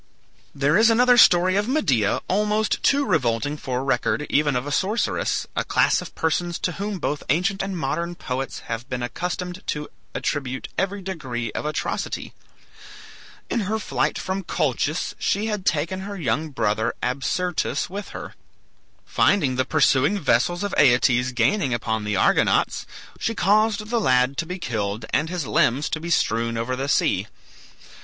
There is another story of Medea almost too revolting for record even of a sorceress, a class of persons to whom both ancient and modern poets have been accustomed to attribute every degree of atrocity. In her flight from Colchis she had taken her young brother Absyrtus with her. Finding the pursuing vessels of Aeetes gaining upon the Argonauts, she caused the lad to be killed and his limbs to be strewn over the sea.